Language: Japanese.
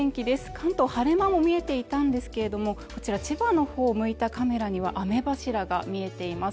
関東晴れ間も見えていたんですけれどもこちら千葉の方を向いたカメラには雨柱が見えています